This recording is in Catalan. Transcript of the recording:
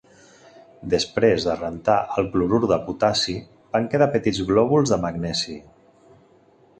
Després de rentar el clorur de potassi, van quedar petits glòbuls de magnesi.